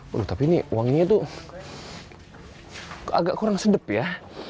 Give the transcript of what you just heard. waduh tapi ini wanginya tuh agak kurang sedep ya